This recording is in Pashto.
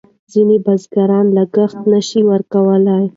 ځینې بزګران لګښت نه شي ورکولای.